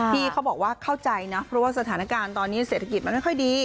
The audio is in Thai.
ที่เขาบอกว่าเข้าใจนะเพราะว่าสถานการณ์ตอนนี้เศรษฐกิจมันไม่ค่อยดี